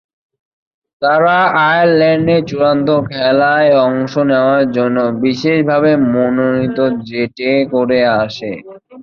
তারা আয়ারল্যান্ডে চূড়ান্ত খেলায় অংশ নেয়ার জন্য বিশেষভাবে মনোনীত জেটে করে আসে।